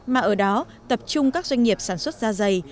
mà ở đó tập trung các doanh nghiệp sản xuất da dày